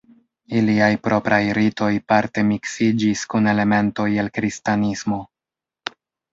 Iliaj propraj ritoj parte miksiĝis kun elementoj el kristanismo.